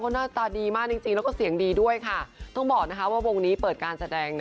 เพราะไม่เอาดีสักครองมาเอาเพราะได้ลืมลง